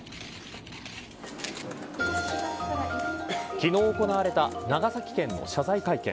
昨日行われた長崎県の謝罪会見